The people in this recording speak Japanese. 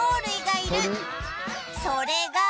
それが